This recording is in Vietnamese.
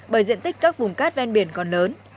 bởi diện tích các vùng cát ven biển còn lớn